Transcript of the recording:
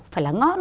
phải là ngon cơ